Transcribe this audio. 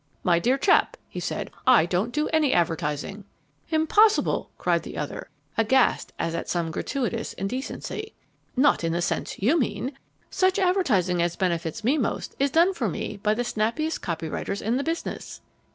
"My dear chap," he said, "I don't do any advertising." "Impossible!" cried the other, aghast as at some gratuitous indecency. "Not in the sense you mean. Such advertising as benefits me most is done for me by the snappiest copywriters in the business."